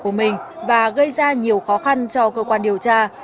bị cáo đã tẩu tán các tài sản của mình và gây ra nhiều khó khăn cho cơ quan điều tra